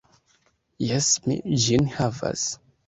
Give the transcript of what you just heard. Jes, mi ĝin havas.